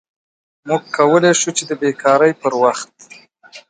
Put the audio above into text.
موږ کولی شو چې د بیکارۍ پر وخت